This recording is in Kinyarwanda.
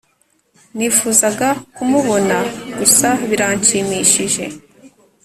nifuzaga kumubona, gusa biranshimishije